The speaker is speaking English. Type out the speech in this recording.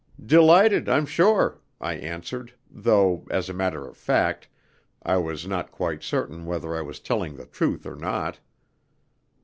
"Delighted, I'm sure," I answered, though, as a matter of fact, I was not quite certain whether I was telling the truth or not.